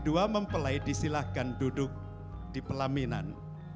kedua mempelai disilahkan duduk di pelaminan